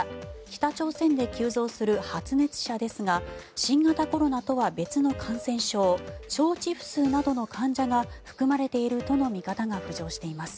北朝鮮で急増する発熱者ですが新型コロナとは別の感染症腸チフスなどの患者が含まれているとの見方が浮上しています。